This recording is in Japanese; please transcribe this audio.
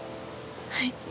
はい。